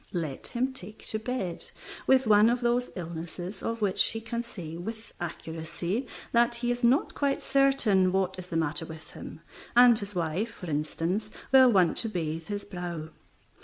Let him take to bed with one of those illnesses of which he can say with accuracy that he is not quite certain what is the matter with him, and his wife, for instance, will want to bathe his brow.